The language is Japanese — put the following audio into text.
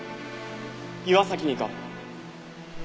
岩崎にか？